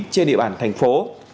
trên địa bản thành phố